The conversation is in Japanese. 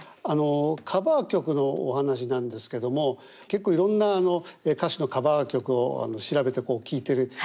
あのカバー曲のお話なんですけども結構いろんな歌手のカバー曲を調べてこう聴いてる。